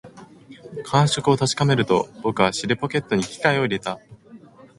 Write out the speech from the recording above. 感触を確かめると、僕は尻ポケットに機械を入れた